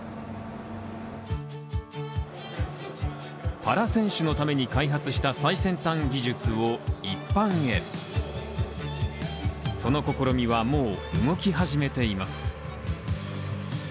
パラ選手のために開発した最先端技術を一般へその試みはもう動き始めています。